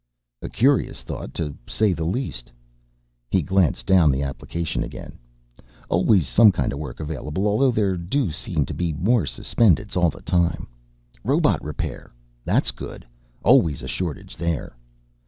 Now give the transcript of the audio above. "A curious thought, to say the least." He glanced down the application again. "Always some kind of work available although there do seem to be more Suspendeds all the time. Robot repair that's good! Always a shortage there."